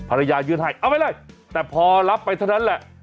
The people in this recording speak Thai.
ภรรยายืนให้เอาไว้เลยแต่พอรับไปเท่านั้นแหละ